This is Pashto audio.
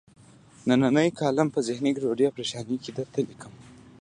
نننۍ کالم په ذهني ګډوډۍ او پریشانۍ کې درته لیکم.